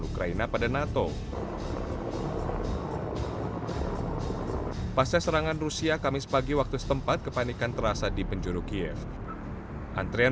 kota kota yang menembus perjalanan menjelaskan ke kota